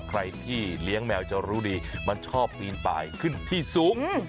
ใครที่เลี้ยงแมวจะรู้ดีมันชอบปีนป่ายขึ้นที่สูง